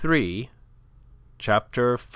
CHAPTER V.